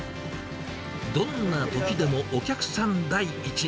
どんなときでもお客さん第一。